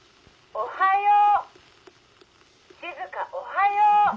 おはよう！」。